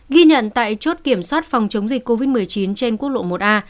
ghi nhận tại chốt kiểm soát phòng chống dịch covid một mươi chín trên quốc lộ một a